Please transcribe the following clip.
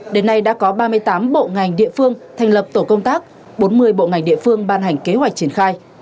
đến nay đã có ba mươi tám bộ ngành địa phương thành lập tổ công tác bốn mươi bộ ngành địa phương ban hành kế hoạch triển khai